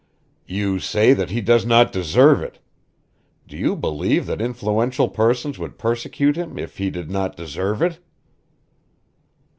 "You say that he does not deserve it. Do you believe that influential persons would persecute him if he did not deserve it?"